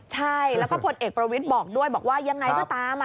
ใช่แล้วก็พลเอกประวิทย์บอกด้วยบอกว่ายังไงก็ตาม